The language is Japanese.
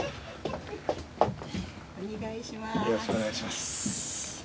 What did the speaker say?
よろしくお願いします。